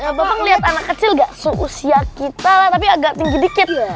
ya bapak ngeliat anak kecil gak seusia kita lah tapi agak tinggi dikit